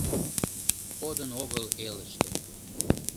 Кодын огыл элыште —